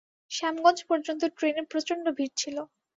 শ্যামগঞ্জ পর্যন্ত ট্রেনে প্রচণ্ড ভিড় ছিল।